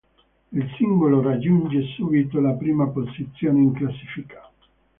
Il singolo raggiunge subito la prima posizione in classifica.